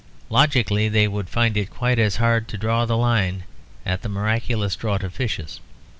Logically they would find it quite as hard to draw the line at the miraculous draught of fishes.